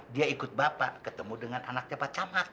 dia ikut bapak ketemu dengan anaknya pak camat